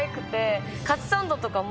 カツサンドとかも。